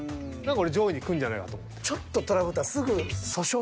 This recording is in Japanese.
上位に来るんじゃないかと思ってる。